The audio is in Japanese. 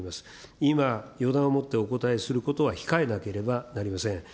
今、予断をもってお答えすることは控えなければなりません。